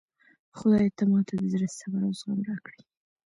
خدایه ته ماته د زړه صبر او زغم راکړي